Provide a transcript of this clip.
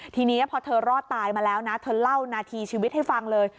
ทีนี้พอเธอรอดตายมาแล้วนะเธอเล่านาทีชีวิตให้ฟังเลย